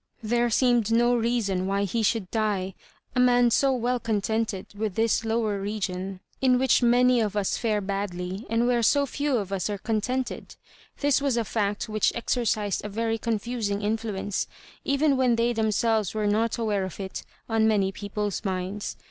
There seemed no reason why he should die — a man who was so well contented with this lowo* region in which many of us' fare badly, and where so few of us are contented. This was a fact which exercised a very confusing influence, even when they themselves were not aware of it, on many people's minds.